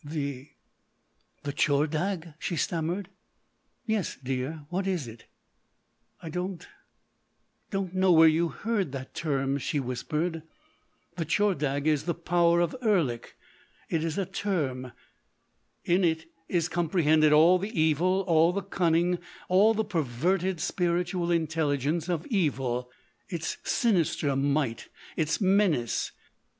"The—the Tchordagh!" she stammered. "Yes, dear. What is it?" "I don't—don't know where you heard that term," she whispered. "The Tchordagh is the—the power of Erlik. It is a term.... In it is comprehended all the evil, all the cunning, all the perverted spiritual intelligence of Evil,—its sinister might,—its menace.